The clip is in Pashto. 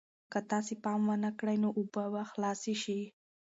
که تاسې پام ونه کړئ نو اوبه به خلاصې شي.